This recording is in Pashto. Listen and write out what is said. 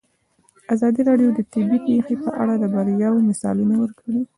ازادي راډیو د طبیعي پېښې په اړه د بریاوو مثالونه ورکړي.